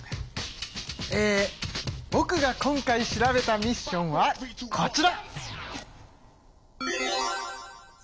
えぼくが今回調べたミッションはこちら！